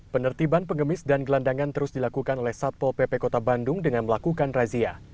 penertiban pengemis dan gelandangan terus dilakukan oleh satpol pp kota bandung dengan melakukan razia